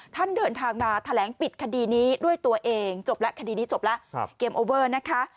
เดินทางมาแถลงปิดคดีนี้ด้วยตัวเองจบแล้วคดีนี้จบแล้วเกมโอเวอร์นะคะ